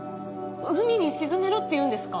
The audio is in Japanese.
海に沈めろって言うんですか！？